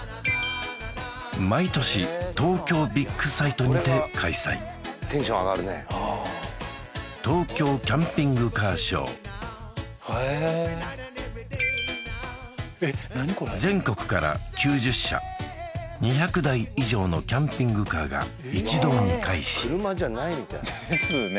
毎年東京ビッグサイトにて開催テンション上がるね東京キャンピングカーショーえっ何これ全国から９０社２００台以上のキャンピングカーが一堂に会し車じゃないみたいですね